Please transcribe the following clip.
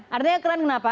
artinya keren kenapa